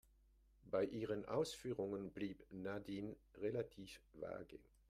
Bei ihren Ausführungen blieb Nadine relativ vage.